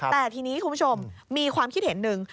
แต่ทีนี้คุณผู้ชมมีความคิดเห็นหนึ่ง